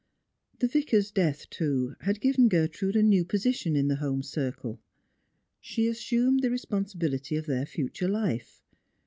The Vicar's death, too, had given Gertrude a new position in the home circle. She assumed the responsibility of their future life.